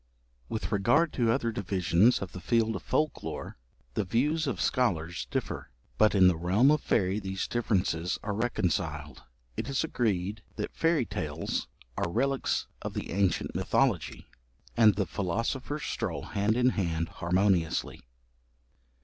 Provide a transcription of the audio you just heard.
With regard to other divisions of the field of folk lore, the views of scholars differ, but in the realm of faerie these differences are reconciled; it is agreed that fairy tales are relics of the ancient mythology; and the philosophers stroll hand in hand harmoniously.